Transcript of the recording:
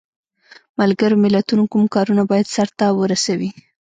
ملګرو ملتونو کوم کارونه باید سرته ورسوي؟